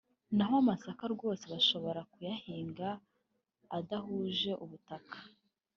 naho amasaka rwose bashobora kuyahinga ahadahuje ubutaka